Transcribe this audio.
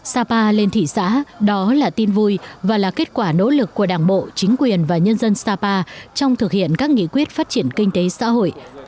sapa lên thị xã đó là tin vui và là kết quả nỗ lực của đảng bộ chính quyền và nhân dân sapa trong thực hiện các nghị quyết phát triển kinh tế xã hội